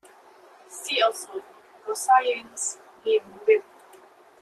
See also: Gaussian beam width.